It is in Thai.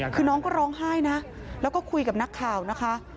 คือน้องก็ร้องไห้นะแล้วก็คุยกับนักข่าวนะคะ